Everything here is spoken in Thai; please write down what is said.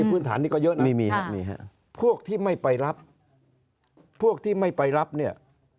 พื้นฐานนี้ก็เยอะนะนี่ฮะพวกที่ไม่ไปรับพวกที่ไม่ไปรับเนี่ย